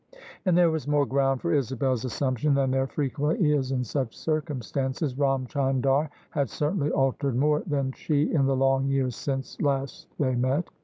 And there was more ground for Isabel's assumption than there frequently is in such circxunstances: Ram Chandar had certainly altered more than she in the long years since last they met.